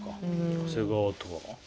長谷川とかは？